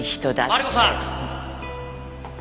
マリコさん！